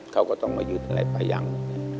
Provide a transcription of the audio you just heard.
เขาก็ต้องมายืนอะไรไปอย่างนี้